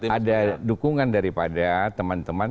ada dukungan daripada teman teman